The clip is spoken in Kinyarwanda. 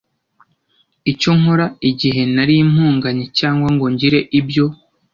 icyo nkoraho igihe nari mpumanye cyangwa ngo ngire ibyo